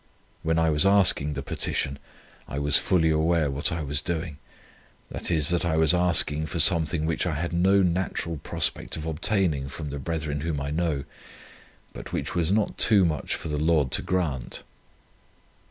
When I was asking the petition, I was fully aware what I was doing, i. e., that I was asking for something which I had no natural prospect of obtaining from the brethren whom I know, but which was not too much for the Lord to grant."